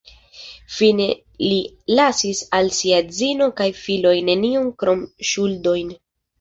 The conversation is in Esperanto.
Fine li lasis al sia edzino kaj filoj nenion krom ŝuldojn.